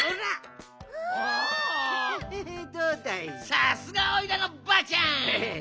さすがおいらのばあちゃん！